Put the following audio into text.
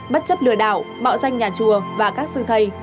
bất chấp lừa đảo mạo danh nhà chùa và các sư thầy